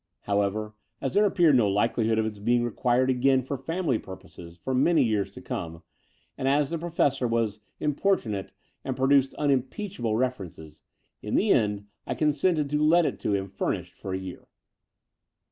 However, as there appeared no likelihood of its being required again for family purposes for many years to come, and as the Professor was importimate and pro duced unimpeachable references, in the end I con sented to let it to him furnished for a year.